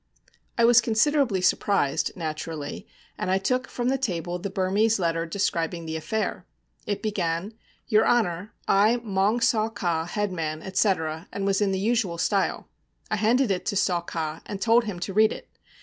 I was considerably surprised, naturally, and I took from the table the Burmese letter describing the affair. It began, 'Your honour, I, Maung Saw Ka, headman,' etc., and was in the usual style. I handed it to Saw Ka, and told him to read it.